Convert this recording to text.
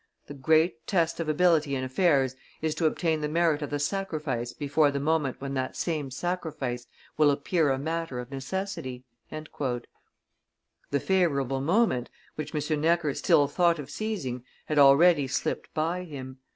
The great test of ability in affairs is to obtain the merit of the sacrifice before the moment when that same sacrifice will appear a matter of necessity." The favorable moment, which M. Necker still thought of seizing, had already slipped by him.